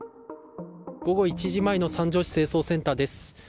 午後１時前の三条市清掃センターです。